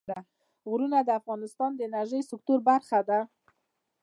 غرونه د افغانستان د انرژۍ سکتور برخه ده.